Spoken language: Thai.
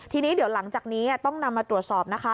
ทีนี้เดี๋ยวหลังจากนี้ต้องนำมาตรวจสอบนะคะ